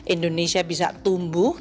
indonesia bisa tumbuh